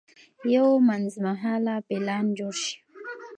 یو منځمهاله پلان جوړ شي.